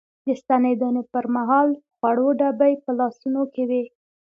د ستنېدنې پر مهال خوړو ډبي په لاسونو کې وې.